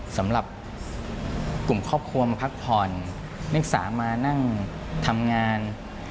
สำหรับกลุ่มครอบครัวมาพักผ่อนนักศึกษามานั่งทำงาน